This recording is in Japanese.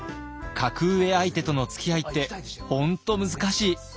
格上相手とのつきあいって本当難しい。